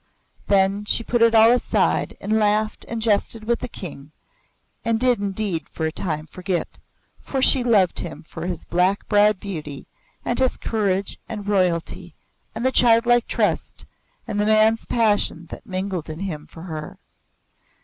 Then she put it all aside and laughed and jested with the King and did indeed for a time forget, for she loved him for his black browed beauty and his courage and royalty and the childlike trust and the man's passion that mingled in him for her.